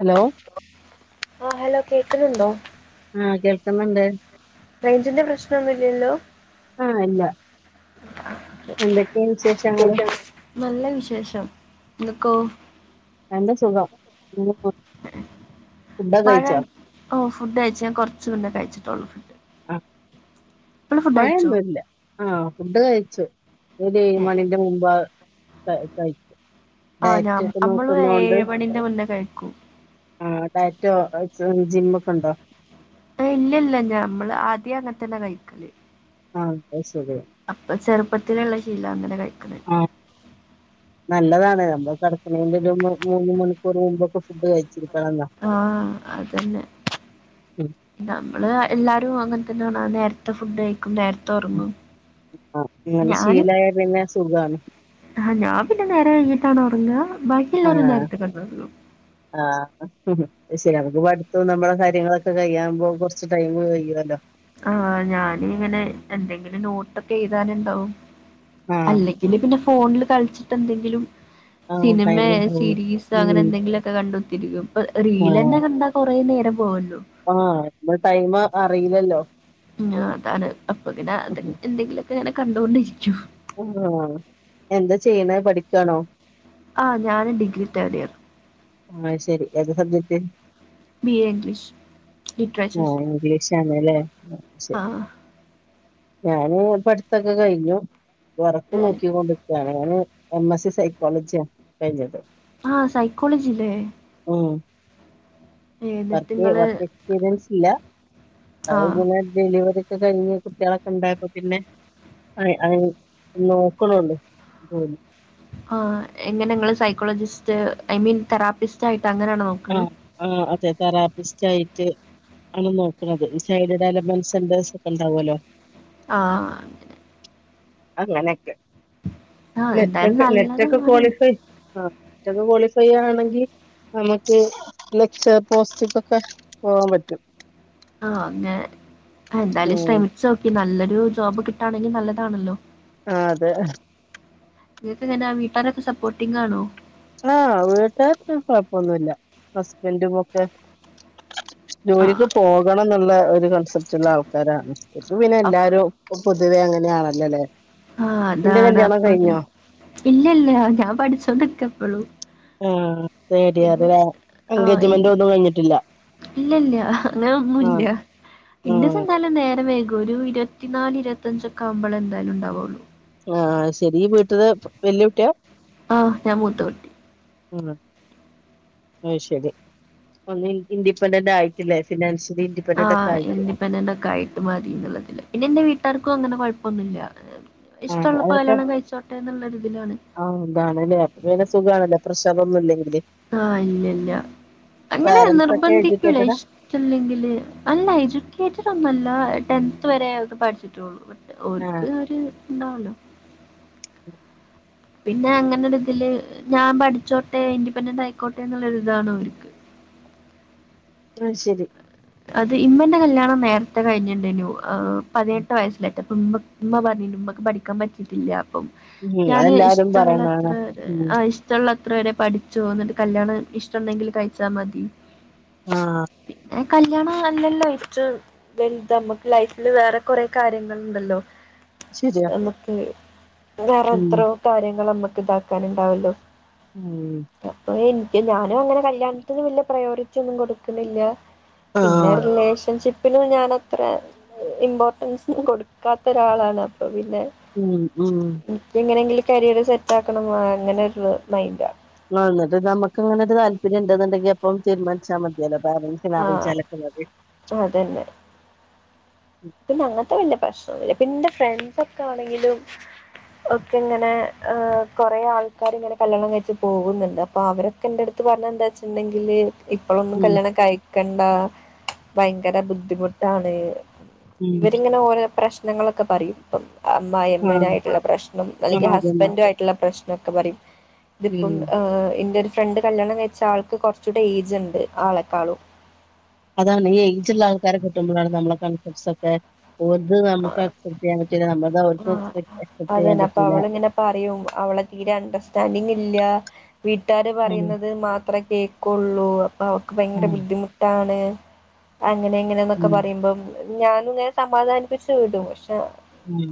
Hello ആഹ hello കേക്കുന്നുണ്ടോ ആഹ കേൾക്കുന്നുണ്ട്. റേഞ്ചിന്റെ പ്രശ്നമൊന്നുംഇല്ലല്ലോ ആഹ ഇല്ല. എന്തൊക്കെയ വിശേഷങ്ങള് നല്ല വിശേഷം നിങ്ങക്കോ? നല്ല സുഖം ഇങ്ങനെ പോണ്. മഴ ഓ ഫുഡ് അയച്ചു ഞാൻ കുറച്ചു മുനോ കയിച്ചിട്ടുള്ളൂ. കഴിച്ചോ മഴയൊന്നുമല്ല ആഹ ഫുഡ് കഴിച്ചു. ഒരു ഏഴ് മണിന്റെ മുമ്പ് ക കഴി ആ ഞാ നമ്മള ഏഴുമണീന്റെ മുന്നേ കഴിക്കൂ. ആഹ ടാറ്റോ ജിമ്മ ഒക്കെ ഉണ്ടോ? ഇല്ല ഇല്ല നമ്മള് ആദ്യം അങ്ങനത്തന്നെ കഴിക്കല്. ആഹ എന്നാ ശരി. അപ്പൊ ചെറുപ്പത്തിലുള്ള ശീലം അങ്ങനെ കഴിക്കണോ. ആഹ് നല്ലതാണ് നമ്മ കിടണേന്റെ ഒരു മൂന്ന് മണിക്കൂർ മുമ്പൊക്കെ ഫുഡ് കഴി ആഹ അതന്നെ ഉം നമ്മള് എല്ലാരും അങ്ങതെ നേരത്തെ ഫുഡ് ക ഉം നേരത്തെ ഉറങ്ങു ആഹ് അങ്ങനെ ഞാന്. ശീലായ പിന്നെ സുഖാണ് ആ ഞാൻ പിന്നെ നേരം വൈകിട്ടാണ് ഉറങ്ങുക. ബാക്കി എല്ലരും ആഹ് നേരത്തെ കിടന്നുറങ്ങും. ആഹ് ഉം ശരി നമുക്ക് പഠിത്തം. നമ്മെളെ കാര്യങ്ങളൊക്കെ കഴിയുമ്പോ കൊറച്ച് ടൈം കഴ്യുവല്ലോ? ആഹ ഞാന് ഇങ്ങനെ എന്തെങ്കിലും നോട്ടൊക്കെ എഴുതാനുണ്ടാവും. ആഹ് അല്ലെങ്കില് പിന്നെ ഫോണില് കളിച്ചിട്ട് എന്തെങ്കിലും. ആ സിനിമ സീരീസോ അങ്ങനെ എന്തെങ്കിലുമൊക്കെ കണ്ടൊത്തിരിക്കും. ഇപ്പൊ റീൽന്നെ കണ്ടാ കുറേ നേരം പോവല്ലോ ആഹ ഇ ടൈം അറിയില്ലല്ലോ? ഉ അതാണ് അപ്പൊ അത് എന്തെങ്കിലുമൊക്കെ ഇങ്ങനെ കണ്ടൊണ്ടിരിക്കും. ആ എന്താ ചെയ്യണ് പഠിക്കാണോ? ആഹ ഞാനാന് ഡിഗ്രി തോർഡ് ഇയർ. ആ ശരി ഏത് സബ്ജക്റ്റ്. B A English. ആ ലിറ്ററേച്ചർ ഇംഗ്ലീഷിണേലേ ശരി. ആ ഞാന് പഠിത്തൊക്കെ കഴിഞ്ഞു. വർക്ക് ഏ, നോക്കൊണ്ട് നിക്ക. ഞാന് എം എസ് സ സൈക്കോളജിയ കഴിഞ്ഞത്. ആഹ സൈക്കോളജി അല്ലേ. ഉം വ നിങ്ങള് വർക്ക് എക്സ്പീരിയൻസ് ഇല്ല. ആ അത് പിന്നെ ഡെലിവറി. [unintelligible] ഴിഞ്ഞ കുട്ടികളൊക്കെ ന്താക്കും പിന്നെ അ അ നോക്കണള്ളൂ [unintelligible] ആഹ് എങ്ങനെങ്ങള് സൈക്കോളജിസ്റ്റ് ഐ മീൻ തെറാപ്പിസ്റ്റ് ആയി ആഹ ആഹ അതെ തെറാപ്പി [unintelligible] ആണ് നോക്കുന്നത് ചൈൽഡ് ഡെവലപ്മെന്റ് സെന്റേസ് ഒക്കെ ണ്ടാവുല്ലോ ആഹ്ഹ ങ്ങനെ അങ്ങനൊക്കെ ആഹ് എന്തായാലും നെറ്റൊക്കെ നെറ്റൊക്കെ നല്ലതാണ് ക്വാളിഫൈ ആ [unintelligible] ക്വാളിഫൈ ചെയ്യയാണെങ്കിൽ നമുക്ക് [unintelligible] പോസ്റ്റക്ക്ക്കെ പോകാൻ പറ്റും. ആ അങ്ങനെ എന്തായാലും ഉം ശ്രമിച്ചു നോക്കി നല്ലൊരു ജോബ് കിട്ടാണെങ്കിൽ നല്ലതാണല്ലോ ആഹ അതെ. നിനക്ക് എങ്ങന്നാ വീട്ടുകാരൊക്കെ സപ്പോർട്ടിംഗാണോ? ആ വീട്ടരോന്നും കൊഴപ്പൊന്നുല്ല ഹസ്ബൻറും ഒക്കെ ആഹ് ജോലിക്ക് പോകണന്നുള്ള ഒരു കൺസെപ്റ്റ് ഉള്ള ആൾക്കാരാണ് ഇപ്പ പിന്നെ അപ്പ എല്ലാരും പൊതുവേ അങ്ങനെയാണല്ലോല്ലേ. ആഹ് നിന്റെ അതാണ് കല്യാണം അപ്പോ കഴിഞ്ഞോ ഇല്ലില്ല ഞാൻ പഠിച്ചോണ്ട് നിക്കാ ഇപ്പഴും ആഹ് ശരിയ അത് വേറെ എൻഗേജ്മെന്റ് ഒന്നും കഴിഞ്ഞിട്ടില്ല ഇല്ലില്ല അങ്ങനെ ഒന്നുമില്ല ആഹ് ഇന്റെ ആഹ് സന്താലം നേരം വൈകും ഒരു ഇരുത്തിനാല് ഇരുപത്തിയഞ്ചൊക്കെ ആവുമ്പളേ എന്തായാലും ഉണ്ടാവുള്ളൂ ആഹ് ശെരി വീട്ടില് വല്യ കുട്ടിയാ ആഹ് ഞാൻ മൂത്ത കുട്ടി ഉം അത് ശരി ഒന്ന് ഇൻഡിപെൻഡന്റ് ആയിട്ടില്ലേ ഫിനാൻഷൽ ആഹ് ഇൻഡിപെൻഡന്റ് ഒക്കെ ആയിട്ട് മതി എന്നുള്ളതില് പിന്നെ എന്റെ വീട്ടുകാർക്കും അങ്ങനെ കൊഴ പ്പം ഒന്നുമില്ല ആഹ് അവർക്ക്‌ എന്നുള്ളൊരിതിലാണ് ആഹ് ഇതാണല്ലേ അപ്പം പിന്നെ സുഖാണല്ലോ പ്രശ് പ്രശ്നമൊന്നുമില്ലെങ്കിൽ ആഹ് ഇല്ലില്ല അങ്ങനെ പാരന്റ്സ് ഒക്കെ നിർബന്ധിക്കൂല എഡ്യൂക്കേറ്റഡാ ഇഷ്ടല്ലെങ്കില് അല്ല എജ്യൂക്കേറ്റഡ് ഒന്നുമല്ല ടെൻത് വരെയേ അവര് പഠിച്ചിട്ടുള്ളു ഓർക്ക് ആഹ് ഒര് ഇണ്ടാവല്ലോ ഉം പിന്നെ അങ്ങനെ ഒരു ഇതില് ഞാൻ പഠിച്ചോട്ടെ ഇൻഡിപെൻഡന്റ് ആയിക്കോട്ടെ എന്നുള്ളൊരിതാണ് അവർക്ക് അത് ശരി അത് ഇമ്മന്റെ കല്യാണം നേരത്തെ കഴിഞ്ഞുണ്ടേനു ആഹ് പതിനെട്ട് വയസ്സില് അപ്പം ഉമ്മ ഉമ്മ പറഞ്ഞിണ്ട് ഉമ്മക്ക് പഠിക്കാൻ പറ്റിയിട്ടില്ല ഉം ഞാന് അതെല്ലാരും ഇഷ്ടമുള്ളത്ര പറയണാണ് ഉം ആഹ് ഇഷ്ടമുള്ള അത്ര വരെ പഠിച്ചോ എന്നിട്ട് കല്യാണം ഇഷ്ടുണ്ടെങ്കിൽ കഴിച്ചാൽ മതി ആഹ് പിന്നെ കല്യാണം അല്ലല്ലോ ഏറ്റവും വലുത് നമ്മക്ക് ലൈഫില് വേറെ കൊറേ കാര്യങ്ങളുണ്ടല്ലോ ശരിയാ നമുക്ക് വേറെ ഉം എത്രയോ കാര്യങ്ങൾ നമ്മക്ക് ഇതാക്കാനുണ്ടാവുവല്ലോ ഉം അപ്പം എനി ക്ക്‌ ഞാനും അങ്ങനെ കല്യാണത്തിന് വല്യ പ്രയോറിറ്റി ഒന്നും കൊടുക്കുന്നില്ല പിന്നെ ആഹ് റിലേഷൻഷിപ്പ് പ്പിനും ഞാൻ അത്ര ഇമ്പോർട്ടൻസൊന്നും കൊടുക്കാത്ത ഒരാളാണ് അപ്പൊ പി പിന്നെ ഉം ഉം എങ്ങനെയെങ്കിലും കരിയർ സെറ്റ് ആക്കണം അങ്ങനെ ഒരു മൈൻഡാ എന്നിട്ട് നമുക്ക് അങ്ങനെ ഒരു താല്പര്യം ഉണ്ടുന്നുണ്ടെങ്കി അപ്പം തീരുമാനിച്ചാൽ മതിയല്ലോ [unintelligible] ആ ലാഭിച്ചാലൊക്കെ മതി അതന്നെ പിന്നെ അങ്ങനത്തെ വലിയ പ്രശ്നമൊന്നുമില്ല പിന്നെ എന്റെ ഫ്രണ്ട്സ് ഒക്കെ ആണെങ്കിലും ഒക്കെ ഇങ്ങനെ ആഹ് കൊറേ ആൾക്കാര് ഇങ്ങനെ കല്യാണം കഴിച്ച് പോകുന്നുണ്ട് അപ്പൊ അവരൊക്കെ എന്റെ അടുത്ത് പറഞ്ഞെ എന്താ വെച്ചിട്ടുണ്ടെങ്കില് ഇപ്പോളൊന്നും ഉം കല്യാണം കഴിക്കണ്ട ഭയങ്കര ബുദ്ധിമുട്ടാണ് ഉം ഇവരിങ്ങനെ ഓരോ പ്രശ്നങ്ങളൊക്കെ പറയും ഇപ്പം അമ്മായി ആ അമ്മേനായിട്ടുള്ള പ്രശ്നം ആ അല്ലെങ്കിൽ അതന്നെ ഹസ്ബൻഡും ആയിട്ടുള്ള പ്രശ്നമൊക്കെ പറയും ഇതിപ്പം ഉം ആഹ് [unintelligible] ഫ്രണ്ട് കല്യാണം കഴിച്ച ആൾക്ക് കുറച്ചൂടെ ഏജ് ഉണ്ട് ആളെക്കാളും അതാണ് ഈ ഏജ് ഉള്ള ആൾക്കാരെ കെട്ടുമ്പോഴാണ് നമ്മളൊക്കെ ഫുഡ്‌സൊക്കെ ഒത് നമുക്ക് അക്‌സെപ്റ്റ് ചെയ്യാൻ പറ്റില്ല നമ്മ ആഹ് അതന്നെ അപ്പൊ അവളിങ്ങനെ പറയും അവളെ തീരെ അണ്ടർസ്റ്റാൻഡിങ് ഇല്ല വീട്ടുകാര് ഉം പറയുന്നത് മാത്രമേ കേക്കുള്ളൂ അപ്പൊ അവർക്ക് ആ ഭയങ്കര ബുദ്ധിമുട്ടാണ് അങ്ങനെ ഇങ്ങനാന്നൊക്കെ ഉം പറയുമ്പം ഞാനും ഇങ്ങനെ സമാധാനിപ്പിച്ച് വിടും പക്ഷെ ഉം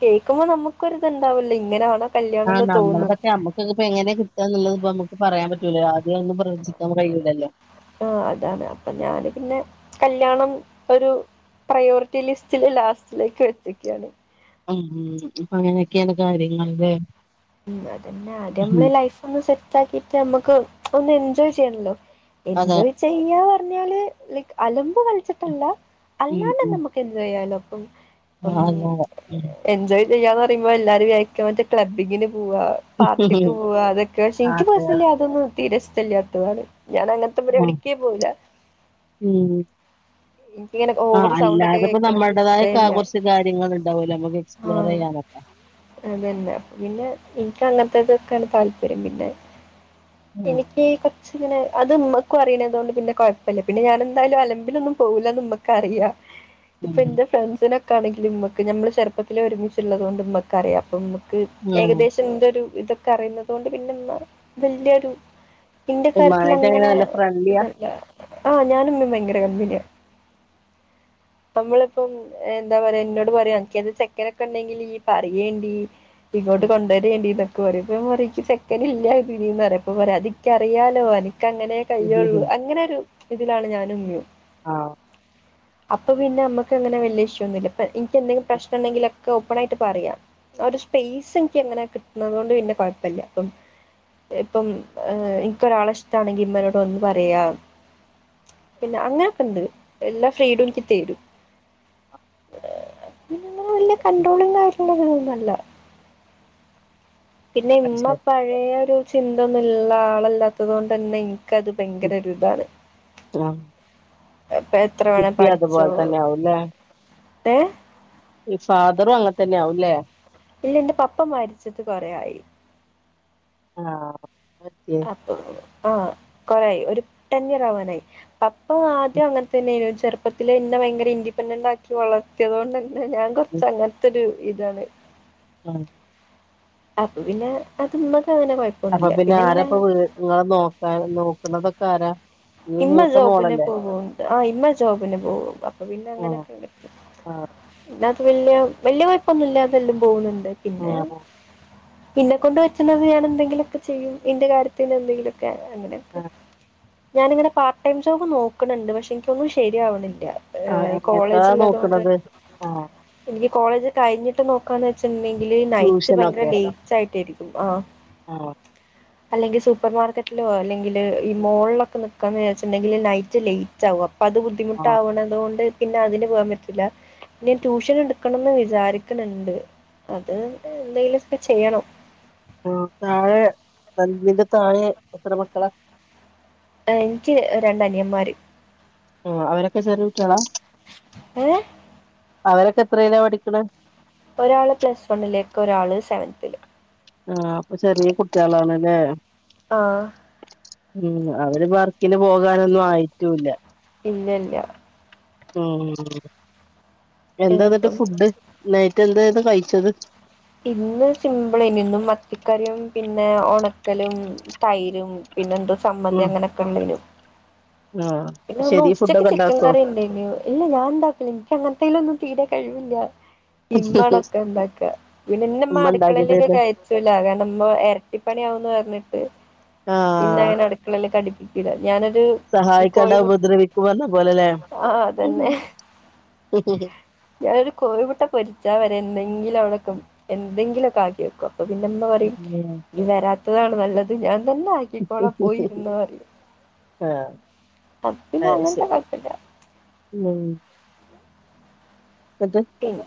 കേൾക്കുമ്പോ നമുക്കൊരിതുണ്ടാവില്ലേ ഇങ്ങനാണോ ആഹ് കല്യാണംന്ന് നമ്മള് തോന്നും പക്ഷേ നമ്മക്ക് ഇപ്പം എങ്ങനെയാകിട്ടുക എന്നുള്ളത് ഇപ്പം നമുക്ക് പറയാൻ പറ്റൂലല്ലോ ആദ്യ ഒന്നും കഴിയൂലല്ലോ ആഹ് അതാണ് അപ്പൊ ഞാന് പിന്നെ കല്യാണം ഒരു പ്രയോറിറ്റി ലിസ്റ്റില് ലാസ്റ്റിലേക്ക് വച്ചേക്കയാണ് ഉം ഉം അപ്പൊ അങ്ങനെയൊക്കെയാണ് കാര്യങ്ങളില്ലേ മഹ്മ്മ്, അതന്നെ ആദ്യം മ്മള് ലൈഫൊന്ന് സെറ്റാക്കീട്ട് നമ്മക്ക് ഒന്ന് എൻജോയ് ചെയ്യണല്ലോ അതെ എൻജോയ് ചെയ്യാ പറഞ്ഞാല് ലൈക് അലം ഇപ്പൊ വിളിച്ചിട്ടല്ല ഉം അല്ലാണ്ട് ഉം നമ്മക്ക് എന്ത് ചെയ്യാനൊക്കും അപ്പം ആ പിന്നെ അതെ എൻജോയ് ചെയ്യാന്ന് പറയുമ്പോ എല്ലാരും വിചാരിക്കും മറ്റേ ക്ലബ്ബിങ്ങിന് പോവ പാർട്ടിക്ക് ഉം പോവ അതൊക്കെ, ക്ഷേ ഇൻക്ക് അതെ കൊഴപ്പല്ല അതൊന്നും തീരെ ഇഷ്ട്ടല്ലാത്തതാണ്. ഞാൻ അങ്ങനത്തെ ഉം പരിവാടിക്കേ പോവൂല ഉം ഇൻക്കിങ്ങനെ ആ ഓവറ് സൗണ്ടൊക്കെ അല്ലാതെപ്പോ കേക്ക്ണത് നമ്മുടേതായ ഇഷ്ടേ കാ അല്ല കുറച്ച് കാര്യങ്ങൾ ഉണ്ടാവൂലോ നമുക്ക് എക്സ്പ്ലോർ ചെയ്യാനൊക്കെ അതന്നെ പിന്നെ ഇൻക്കങ്ങ തൊക്കെയാണ് താല്പര്യം, പിന്നെ ഉം എനിക്ക് ഈ കൊച്ചിങ്ങനെ അത്ഇമ്മക്കും അറിയ്ണതുകൊണ്ട് പിന്നെ കൊഴപ്പല്ല, പിന്നെ ഞാനെ ന്തായാലും അലമ്പിനൊന്നും പോ വൂലാന്ന് ഇമ്മക്ക് അറിയാ ഇപ്പൊ ഉം ഇന്റെ ഫ്രണ്ട്സിനൊ ഇൻക്കാണെങ്കിലിമ്മക്ക് ഞമ്മള് ചെറുപ്പത്തില് ഒരുമിച്ചുള്ളതോണ്ട് ഇമ്മക്ക് അറിയാം അപ്പം ഇമ്മക്ക് ഉം. ഏകദേശം ഇന്റൊരു ഇതൊക്കെ അറിയുന്നതോണ്ട് പിന്നെ ഇന്നാ വല്യരു ഇന്റെ കാര്യത്തില് ഉമ്മാനായിട്ട് എങ്ങനെ അങ്ങനെ നല്ല ഫ്രണ്ട്ലിയാ ഇതല്ല ആഹ് ഞാനും ഇമ്മിം ഭയങ്കര കമ്പിനിയ [inaudible] നമ്മളിപ്പം എന്താ പറയാ ഇന്നോട് പറയാ അൻക്കേത് ചെക്കനൊക്കെ ഇണ്ടെങ്കില് ഈയ്യ് പറയേണ്ടി ഇങ്ങോട്ട് ഉം. കൊണ്ടരേണ്ടിന്നൊക്കെ പറിം, അപ്പൊ ഞാൻ പറിം ഇക്ക് ചെക്കനില്ല അതിന്ന്ന് പറിം അപ്പൊ പറയും അതിക്കറിയാലോ അനക്ക് അങ്ങനേ ഉം. കയിയുള്ളൂ ഉം. അങ്ങനെ ഒരു ഇതിലാണ് ഞാനും ഉമ്മിം ആ അപ്പൊ പിന്നെ മ്മക്ക്അങ്ങനെ വല്യ ഇഷ്യു ഒന്നുല്ല ഇപ്പൊ എനിക്ക് എന്തെങ്കിലും ഉം. പ്രശ്നം ഉണ്ടെങ്കിലൊക്കെ ഓപ്പൺ ആയിട്ട് പറയാം ആ ഒരു സ്പേസ് എനിക്ക് അങ്ങനെ കിട്ടുന്നതുകൊണ്ട് പിന്നെ കൊഴപ്പില്ല അപ്പം ഇപ്പം എനിക്കൊരാളെ ഇഷ്ടാണെങ്കിൽ ഇമ്മനോട് വന്ന് പറയാ പിന്നെ അങ്ങനൊക്കെ ഇണ്ട് എല്ലാ ഫ്രീഡം എനിക്ക് തെരും അ് [unintelligible] വല്യ ഉം. കണ്ട്രോളും കാര്യങ്ങളൊന്നൊല്ല പിന്നെ അത് ഇമ്മ ശരി പഴയ ഒരു ചിന്ത ഒന്നും ഇല്ല ആളല്ലാത്തത് കൊണ്ട് തന്നെ ക്ക അത് ഭയങ്കര ഉം. ഒരു ഇതാണ് ആ അപ്പൊ എത്ര വേണേ ഇപ്പി പഠിച്ചോ അതുപോലെ തന്നെ ആവുംല്ലേ ഫാദറും അങ്ങനെ തന്നെയ ആവുംല്ലേ ഇല്ല എന്റെ പപ്പ മരിച്ചിട്ട് കൊറെ ആയി ആ ഓക്കെ അപ്പ ആ കൊറേ ആയി ഒരു ട്ടൺ ഇയറാവാനായി ഇപ്പൊ ആദ്യം അങ്ങനെ തന്നേയിനു ചെറുപ്പത്തിലേ എന്നെ ഭയങ്കര ഇൻഡിപ്പെൻ്റൻ്റ് ആക്കി വളർത്തിയത് കൊണ്ട് തന്നെ ഇ ഞാൻ കൊറച്ച് അങ്ങനത്തൊരു ഇതാണ് ആ അപ്പ പിന്നെ അത് മ്മക്ക് അപ്പൊ പിന്നെ ആരപ്പോ നിങ്ങളെ നോക്കാ നോക്കുന്നതൊക്കെ ആരാ ഇയ്യ് ഇമ്മ മൂത്ത ജോബിന് മോളല്ലേ പോകുണ്ട് ആ ഇമ്മ ജോബിന് പോകും അപ്പൊ പിന്നെ ആ അങ്ങനെയൊക്കെ കിട്ടും ആ പിന്നത് വല്യ വല്യ കുഴപ്പൊന്നുല്ലാതെ എല്ലാം പോകുന്നുണ്ട് ആ പിന്നെ ഇന്നെ കൊണ്ട് പറ്റുന്നത് ഞാൻ എന്തെങ്കിലൊക്കെ ചെയ്യും ഇന്റെ കാര്യത്തിന് എന്തെങ്കിലൊക്ക ആ അങ്ങനെയൊക്കെ ഞാനിങ്ങനെ പാർട്ട് ടൈം ജോബ് നോക്കണണ്ട് പക്ഷെ എനിക്കൊന്നും ശരിയാവണില്ല ആ, എങ്ങനത്താ കോളേജ് ഉള്ളത് കൊണ്ട് നോക്കണത് ആ എനിക്ക് കോളേജ് കഴിഞ്ഞിട്ട് നോക്കാന്ന് വെച്ചുണ്ടെിൽ നൈറ്റ് ഭയങ്കര ട്യൂഷനൊക്കെ ലേറ്റ് ആയിട്ടായിരിക്കും ആ ആഹ് അല്ലെങ്കിൽ സൂപ്പർ മാർക്കറ്റിലോ അല്ലെങ്കില് ഈ മോളിലൊക്കെ നിക്കാന്ന് വിചാരിച്ച്ണ്ടെങ്കിൽ നൈറ്റ് ലൈറ്റ് ആകും അപ്പൊ അപ്പ അത് ആഹ് ബുദ്ധിമുട്ടാവണതുകൊണ്ട് പിന്നെ അതിന് പോവാൻ പറ്റില്ല ഞാൻ ട്യൂഷൻ എടുക്കണംന്ന് വിചാരിക്കണണ്ട് അത് എന്തെലും ഒക്കെ ചെയ്യണം ആ താഴെ നന്ദിനിന്റെ താഴെ എത്ര മക്കളാ എനിക്ക് രണ്ടനിയന്മാര് ആ അവരൊക്കെ ചെറിയകുട്ടിയളാ ഏ അവരൊക്കെ എത്രയിലാ പഠിക്ക് ണെ ഒരാള് പ്ലസ് വണ്ണിലേക്ക് ഒരാള് സെവൻ ത്തില് ആ അപ്പൊ ചെറിയ കുട്ട്യേളാണ് ല്ലേ ആ ഉം അവര് വർക്കിന് പോകാനൊന്നും ആയിട്ടൂല്ല പിന്നല്ല ഉം എന്താ എന്നിട്ട് ഇപ്പം ഫുഡ് നൈ - മറ്റ [unintelligible] എന്തെന്ന് കഴിച്ചത് ഇന്ന് സിമ്പിളേനി ഇന്നും മത്തിക്കറിയും പിന്നെ ഉണക്കലും തൈരും പിന്നെ എന്തോ സമ്മന്തി ഉം അങ്ങനെയൊക്കെ ഉള്ളേനും ആഹ് പിന്നെ ഒന്ന് ശരി ഉച്ചക്ക് ഫുഡൊക്കെ ചിക്കൻ ഉണ്ടാക്കോ കറി ഉണ്ടായിരുന്നു ഇല്ല ഞാൻ ഉണ്ടാക്കല എനിക്ക അങ്ങത്തേലുഒന്നും തീരെ കഴിവില്ല ഇമ്മാ ണൊക്കെ ഇണ്ടാകാ പിന്നെ ഇന്നെമ്മ ഉമ്മ ഉണ്ടാക്കി അടുക്കളയിലേക്ക് തരുന്നെ കെയറ്റൂല കാരണംമ്മഎരട്ടിപ്പണിയ ആാവന്ന് പറഞ്ഞി പിന്നെ ആഹ് അങ്ങനെ അടുക്കളയിലേക്ക ടുപ്പിക്കൂല ഞാനൊരു സഹായിക്കാണ്ട കോഴുമു ഉപദ്രവിക്കും പറഞ്ഞ പോലെല്ലേ ആഹ ഉം അതന്നെ ഞാനൊരു കോഴിമുട്ട പൊരിച്ചാ വെ എന്തെങ്കിലും എന്തെങ്കിലുക്കെ ആക്കി ക്കും അപ്പൊ പിന്നെ ഇമ്മ പറയും വരാ അ താ നല്ലത് ഞാൻ തന്നെ ആക്കിക്കോള പോയിരുന്നോ അറിയു ആഹ് അത് പിന്നെ അങ്ങൻത്തെ കോഴ്പ്പല്യാ ഉം എന്നിട്ട് പിന്നെ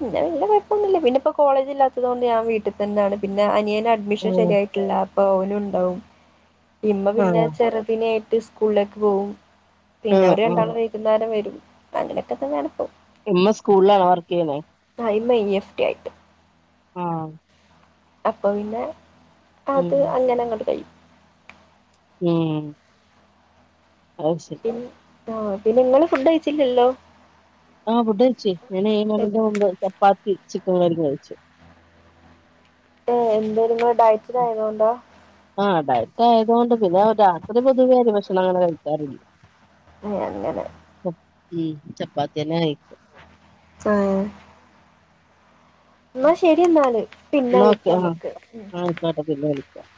പിന്നെ വല്ല കുഴപ്പമൊന്നുമില്ല പിന്ന ഇപ്പൊ കോളേജില്ലാത്തത് കൊണ്ട് ഞാൻ വീട്ടി തന്നാണ് പിന്നെ അനിയൻ അഡ്മിഷൻ ഉം ശരിയായിട്ടില്ല അപ്പൊ ഓനും ഉണ്ടാവും ഇമ്മ പിന്നെ ആഹ് ചെറുദിനെറ്റ് സ്കൂളിലേക്ക് പോവും പിന്നെ ആഹ് അവര് ആഹ് രണ്ടാളും വൈകുന്നേരം വരും അങ്ങനെകതന്നണ് പ്പൊ ഇമ്മ സ്കൂളിലാണോ വർക്ക് ചെയ്യുന്നത് ആ ഇമ്മ ഈഫ് ട്ടി ആയിട്ട് ആ അപ്പൊ പിന്നെ അത് ഉം അങ്ങനെ അങ്ങണ്ട് കഴിയും ഉം ഓ ശരി ആഹ പിന്നെ ഇങ്ങള് ഫുഡ് കഴിച്ചില്ലല്ലോ ആ ഫുഡ് കയിച് ഞാൻ ഏഴു എ- മണിന്റെ മുമ്പ് ചപ്പാത്തി ചി [unintelligible] ഏ എന്താ ഇങ്ങള് ഡയറ്റിലായതുകൊണ്ടാ [unintelligible] പിന്നെ രാത്രി പൊതുവെ അരി ഭക്ഷണം അങ്ങനെ കഴിക്കാറില്ല അ അങ്ങനെ ഉം ചപ്പാത്തിയെന്നെ കഴിക്ക [unintelligible] എന്നാ ശെരി എന്നാല് പിന്നെ എന്നാ ഓക്കെ ആഹ് വിളിക്കാംമ്മക്ക് ആയിക്കോട്ടെ പിന്നെ ശരി വിളിക്കാം